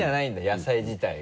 野菜自体が。